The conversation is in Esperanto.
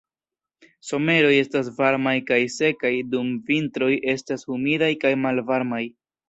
Someroj estas varmaj kaj sekaj, dum vintroj estas humidaj kaj malvarmaj.